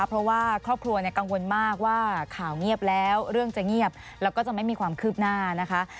เพราะว่าครอบครัวกังวลมากว่าข่าวเงียบแล้วเรื่องจะเงียบแล้วก็จะไม่มีความคืบหน้านะคะ